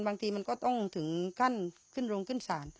บางทีมันก็ต้องถึงขั้นขึ้นโรงขึ้นศาล